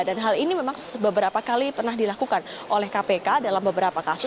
dan hal ini memang beberapa kali pernah dilakukan oleh kpk dalam beberapa kasus